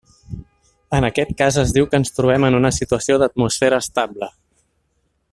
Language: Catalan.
En aquest cas es diu que ens trobem en una situació d'atmosfera estable.